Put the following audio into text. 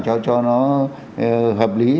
cho nó hợp lý